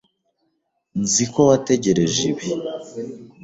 Nzi ko wategereje ibi.